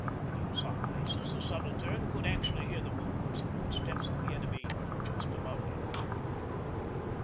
In some places the Subaltern could actually hear the movements and footsteps of the enemy just above him.